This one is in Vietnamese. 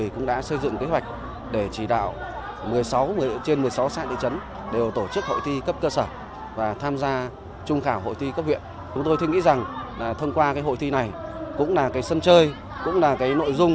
cũng là cái sân chơi cũng là cái nội dung